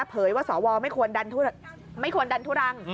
เผยว่าสวไม่ควรดันทุรัง